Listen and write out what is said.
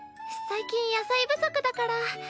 最近野菜不足だから。